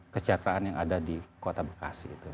kecepatan yang ada di kota bekasi